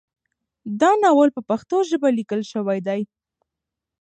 دا ناول په پښتو ژبه لیکل شوی دی.